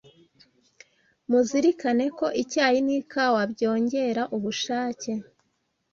Muzirikane ko icyayi n’ikawa byongera ubushake